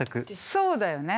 そうだよね。